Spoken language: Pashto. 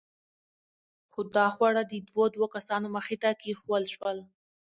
خو دا خواړه د دوو دوو کسانو مخې ته کېښوول شول.